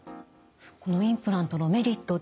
このインプラントのメリット